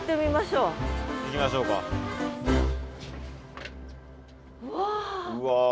うわ。